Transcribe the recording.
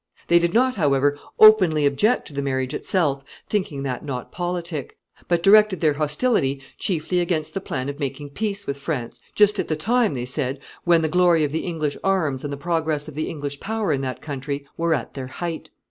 They did not, however, openly object to the marriage itself, thinking that not politic, but directed their hostility chiefly against the plan of making peace with France just at the time, they said, when the glory of the English arms and the progress of the English power in that country were at their height.